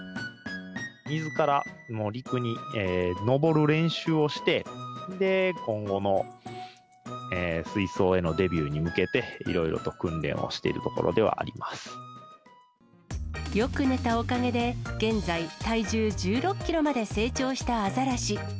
水から陸に上る練習をして、今後の水槽へのデビューに向けて、いろいろと訓練をしているところよく寝たおかげで、現在、体重１６キロまで成長したアザラシ。